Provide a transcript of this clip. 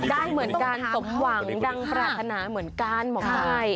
ด้านเหมือนการศพหวังดังปรารถนาเหมือนการหมอบ้าย